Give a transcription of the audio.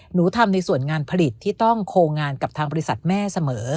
หนูทำในส่วนงานผลิตที่ต้องโคงานกับทางบริษัทแม่เสมอ